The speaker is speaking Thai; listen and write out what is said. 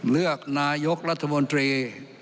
เลือกนายกรัฐมนตรี